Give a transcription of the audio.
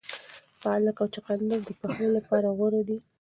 پالک او چغندر د پخلي لپاره غوره دي.